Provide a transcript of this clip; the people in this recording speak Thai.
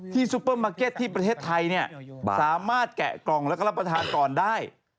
ซูเปอร์มาร์เก็ตที่ประเทศไทยสามารถแกะกล่องแล้วก็รับประทานก่อนได้